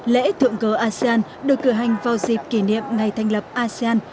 lễ thượng cờ asean được cử hành vào dịp kỷ niệm ngày thành lập asean